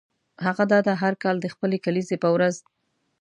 هغه دا ده هر کال د خپلې کلیزې په ورځ.